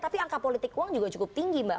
tapi angka politik uang juga cukup tinggi mbak